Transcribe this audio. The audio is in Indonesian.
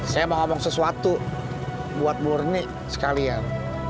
saya mau ngomong sesuatu buat murni sekalian